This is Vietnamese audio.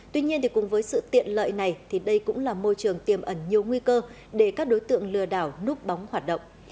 tuy nhiên cùng với sự tiện lợi này thì đây cũng là môi trường tiềm ẩn nhiều nguy cơ để các đối tượng lừa đảo núp bóng hoạt động